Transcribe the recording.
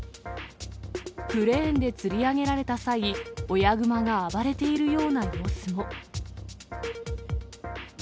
クレーンでつり上げられた際、親グマが暴れているような様子も。